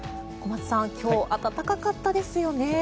小松さん、今日暖かかったですよね。